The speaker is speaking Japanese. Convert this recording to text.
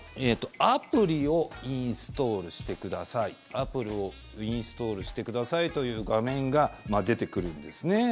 このアプリをインストールしてくださいという画面が出てくるんですね。